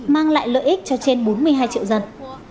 mang lại lợi ích cho trên bốn mươi hai triệu dân